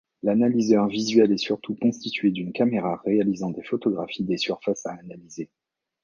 L’analyseur visuel est surtout constitué d'une caméra réalisant des photographies des surfaces à analyser.